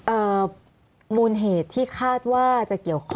มูลเหตุที่คาดว่าจะเกี่ยวข้อง